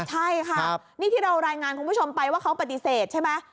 ใช่ค่ะนี่ที่เรารายงานคุณผู้ชมไปว่าเขาปฏิเสธใช่ไหม